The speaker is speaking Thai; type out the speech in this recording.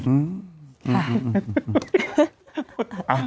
ค่ะ